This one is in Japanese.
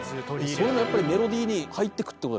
そういうのやっぱりメロディーに入ってくってことですか？